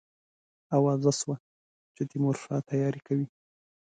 آوازه سوه چې تیمورشاه تیاری کوي.